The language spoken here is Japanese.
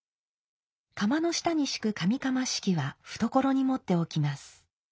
釜の下に敷く紙釜敷は懐に持っておきます。